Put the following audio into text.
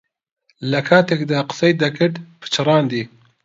لەکاتێکدا قسەی دەکرد پچڕاندی.